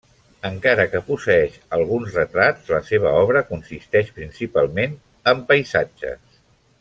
Encara que posseeix alguns retrats la seva obra consisteix principalment en paisatges.